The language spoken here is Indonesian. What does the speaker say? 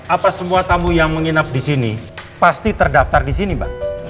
apa semua tamu yang menginap di sini pasti terdaftar di sini mbak